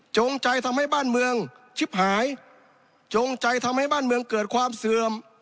จงใจทำให้บ้านเมืองชิบหายจงใจทำให้บ้านเมืองเกิดความเสื่อม